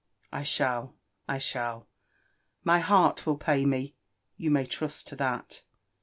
" I shall, I shall — ray heart will pay me, you may trust to that.